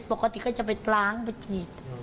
ปกติก็จะไปล้างไปฉีด